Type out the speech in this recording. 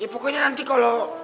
pokoknya nanti kalau